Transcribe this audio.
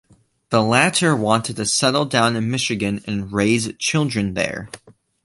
The latter wanted to settle down in Michigan and raise children there.